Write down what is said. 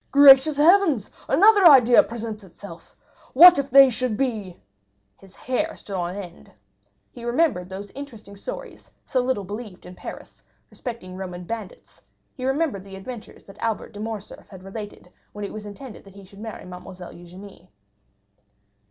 Gracious heavens; another idea presents itself—what if they should be——" His hair stood on end. He remembered those interesting stories, so little believed in Paris, respecting Roman bandits; he remembered the adventures that Albert de Morcerf had related when it was intended that he should marry Mademoiselle Eugénie.